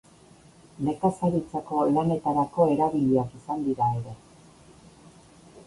Nekazaritzako lanetarako erabiliak izan dira ere.